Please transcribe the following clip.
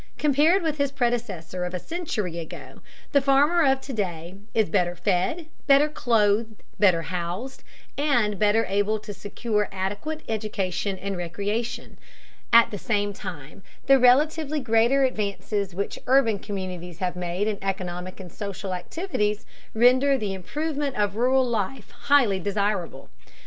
Compared with his predecessor of a century ago, the farmer of to day is better fed, better clothed and housed, and better able to secure adequate education and recreation. At the same time the relatively greater advances which urban communities have made in economic and social activities render the improvement of rural life highly desirable.